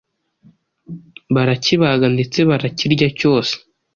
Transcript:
barakibaga ndetse barakirya cyose